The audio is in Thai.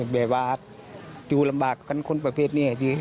แบบว่าอยู่ลำบากกันคนประเภทนี้